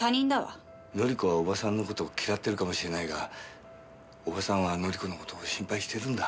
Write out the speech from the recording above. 紀子は叔母さんの事を嫌ってるかもしれないが叔母さんは紀子の事を心配してるんだ。